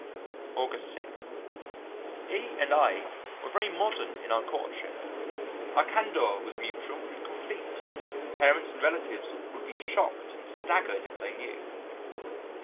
] August 6. E and I were very modern in our courtship. Our candour was mutual and complete parents and relatives would be shocked and staggered if they knew....